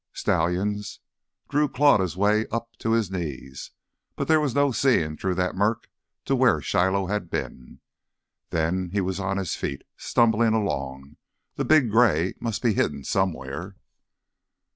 Stallions! Drew clawed his way up to his knees. But there was no seeing through that murk to where Shiloh had been. Then he was on his feet, stumbling along ... the big gray must be hidden somewhere....